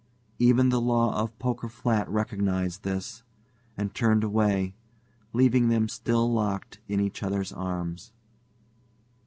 Even the law of Poker Flat recognized this, and turned away, leaving them still locked in each other's arms.